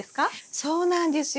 そうなんですよ。